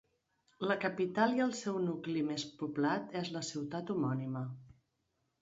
La capital i el seu nucli més poblat és la ciutat homònima.